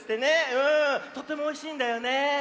とてもおいしいんだよね。